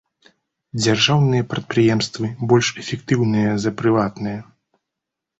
Дзяржаўныя прадпрыемствы больш эфектыўныя за прыватныя.